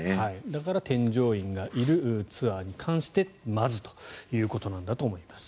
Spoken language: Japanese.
だから添乗員がいるツアーに関してまずということなんだと思います。